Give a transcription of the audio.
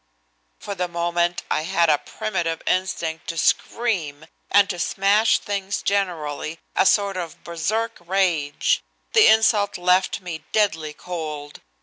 For the moment I had a primitive instinct to scream and to smash things generally, a sort of Berserk rage. The insult left me deadly cold.